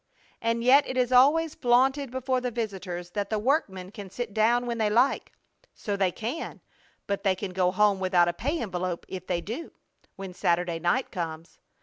And yet it is always flaunted before the visitors that the workmen can sit down when they like. So they can, but they can go home without a pay envelope if they do, when Saturday night comes.